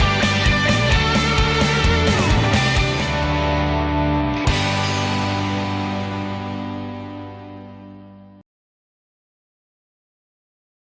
gila berjalan dengan lho